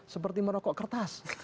seperti merokok kertas